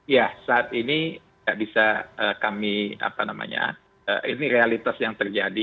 ya saat ini tidak bisa kami apa namanya ini realitas yang terjadi